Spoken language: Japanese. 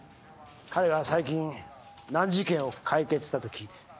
彼が最近難事件を解決したと聞いて。